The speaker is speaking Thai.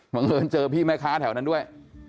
บังเอิญเจอพี่แม่ค้าแถวนั้นด้วย